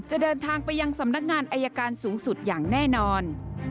เดินทางไปยังสำนักงานอายการสูงสุดอย่างแน่นอน